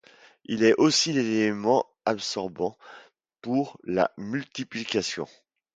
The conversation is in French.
Il est aussi l'élément absorbant pour la multiplication.